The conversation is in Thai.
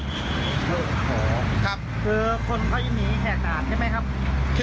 อ๋อคือคนเขายังหนีแห่งหนาดใช่ไหมครับ